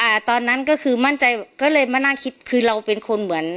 อ่าตอนนั้นก็คือมั่นใจก็เลยมานั่งคิดคือเราเป็นคนเหมือน